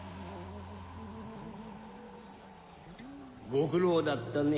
・ご苦労だったね